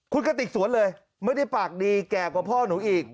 คุณกติกสวนเลยไม่ได้ปากดีแก่กว่าพ่อหนูอีก